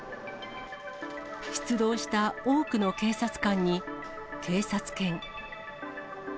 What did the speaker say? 出動した多くの警察官に、警察犬。